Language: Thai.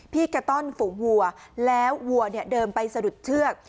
พี่กะต้อนฝุงหัวแล้วหัวเดินไปสะดุดเชือก